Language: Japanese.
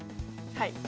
はい。